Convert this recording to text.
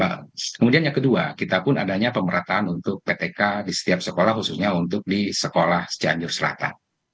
kemudian yang kedua kita pun adanya pemerataan untuk ptk di setiap sekolah khususnya untuk di sekolah cianjur selatan